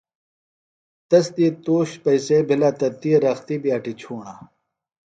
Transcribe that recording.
تس دی تُوش پئیسے بِھلہ تہ تی رختیۡ بیۡ اٹیۡ چُھوݨہ۔